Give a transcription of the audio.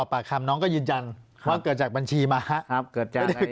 ปากกับภาคภูมิ